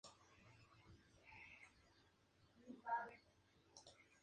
Nació en el seno de una familia flamenca de extracción rural y tradición católica.